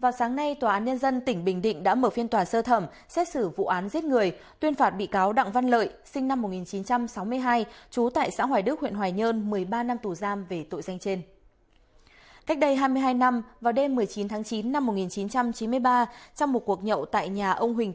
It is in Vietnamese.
các bạn hãy đăng ký kênh để ủng hộ kênh của chúng mình nhé